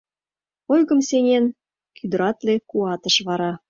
Ойгым сеҥен, кӱдыратле куатыш вара.